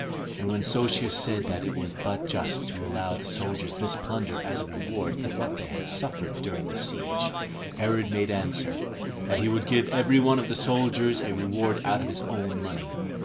And when Sosius said that it was but just to allow the soldiers this plunder as a reward for what they suffered during the siege, Herod made answer, that he would give every one of the soldiers a reward out of his own money.